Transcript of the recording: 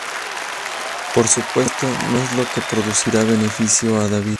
Por supuesto, no es lo que producirá beneficio a David.